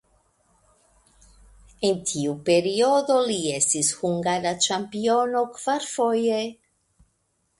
En tiu periodo li estis hungara ĉampiono kvarfoje.